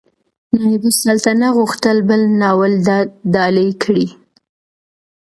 نایبالسلطنه غوښتل بل ناول ډالۍ کړي.